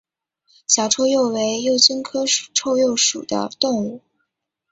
小臭鼩为鼩鼱科臭鼩属的动物。